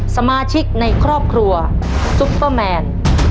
สมาชิกในครอบครัวซุปเปอร์แมน